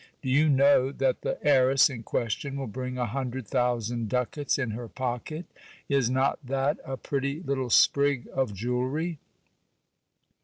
Do you know that the heiress in question will bring a hundred thou sand ducats in her pocket ? Is not that a pretty little sprig of jewellery